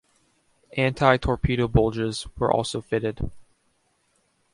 Anti-torpedo bulges were also fitted.